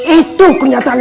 itu kenyataan sekarang